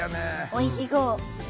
おいしそう。